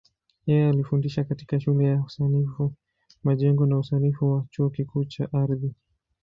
Yeye alifundisha katika Shule ya Usanifu Majengo na Usanifu wa Chuo Kikuu cha Ardhi.